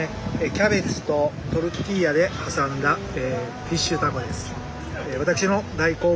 キャベツとトルティーヤで挟んだフィッシュタコです。